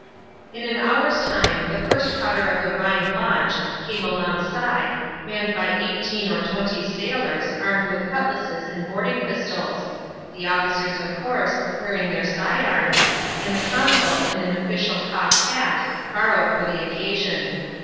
In an hour's time, the first cutter of the Heine Blanche came ^ongside, manned by eighteen or twenty sailors, armed with cutlasses and boarding pistols — the officers, of course, wearing their side arms, and the consul in an official cocked hat, bor rowed for the occasion.